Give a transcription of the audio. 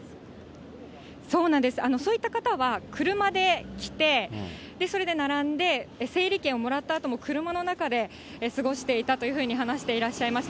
そうなんです、そういった方は車で来て、それで並んで、整理券をもらったあとも車の中で過ごしていたというふうに話していらっしゃいました。